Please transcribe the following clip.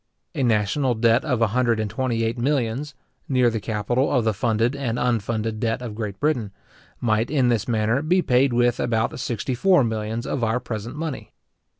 A national debt of about a hundred and twenty eight millions, near the capital of the funded and unfunded debt of Great Britain, might, in this manner, be paid with about sixty four millions of our present money.